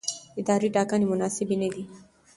اداري ټاکنې مناسبې نه دي.